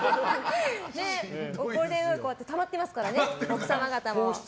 ゴールデンウィーク終わってたまってますからね、奥様方も。